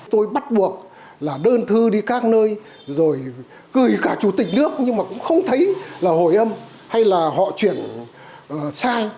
tôi bắt buộc là đơn thư đi các nơi rồi gửi cả chủ tịch nước nhưng mà cũng không thấy là hồi âm hay là họ chuyển sai